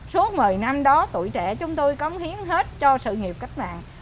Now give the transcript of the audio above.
suốt một mươi năm đó tuổi trẻ chúng tôi cống hiến hết cho sự nghiệp cách mạng